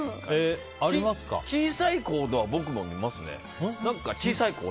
小さい子は僕も見ますね。